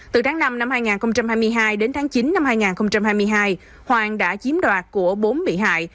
từ tháng năm năm hai nghìn hai mươi hai đến tháng chín năm hai nghìn hai mươi hai hoàng đã chiếm đoạt của bốn bị hại